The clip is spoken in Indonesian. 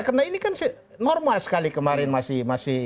karena ini kan normal sekali kemarin masyarakat